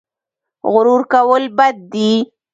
غرور کول بد دي